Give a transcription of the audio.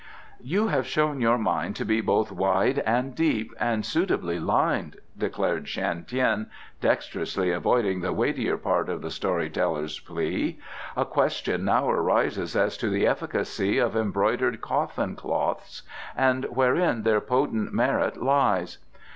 "You have shown your mind to be both wide and deep, and suitably lined," declared Shan Tien, dexterously avoiding the weightier part of the story teller's plea. "A question now arises as to the efficacy of embroidered coffin cloths, and wherein their potent merit lies.